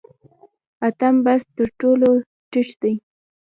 اتم بست تر ټولو ټیټ دی